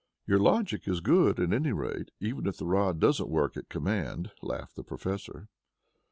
"Your logic is good, at any rate, even if the rod doesn't work at command," laughed the Professor.